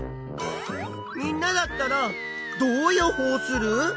みんなだったらどう予報する？